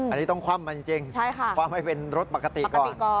อันนี้ต้องคว่ำมาจริงคว่ำให้เป็นรถปกติก่อน